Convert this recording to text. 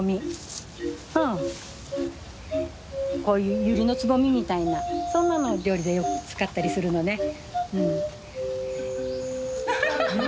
こうユリのつぼみみたいなそんなのを料理でよく使ったりするのねうん。